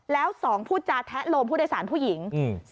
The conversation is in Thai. แล้วสองพูดจาแทะโลมผู้โดยสารผู้หญิง